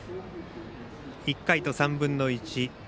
１回と３分の１。